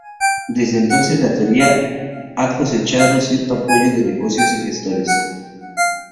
Desde entonces la teoría ha cosechado cierto apoyo de negocios y gestores.